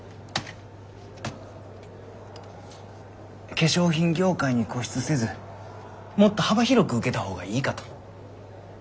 化粧品業界に固執せずもっと幅広く受けたほうがいいかと。